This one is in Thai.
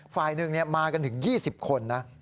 ฝ่ายหนึ่งมากันถึง๒๐คนนะ